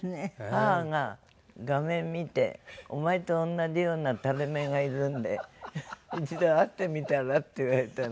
母が画面見て「お前と同じような垂れ目がいるんで一度会ってみたら？」って言われたの。